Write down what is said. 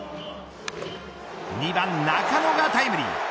２番、中野がタイムリー。